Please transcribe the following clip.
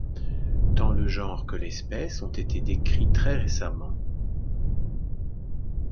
Tant le genre que l'espèce ont été décrits très récemment.